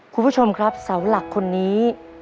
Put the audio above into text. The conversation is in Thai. คุณผู้ชมครับเสาหลักคนนี้